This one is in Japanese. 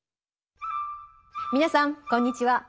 皆さんこんにちは。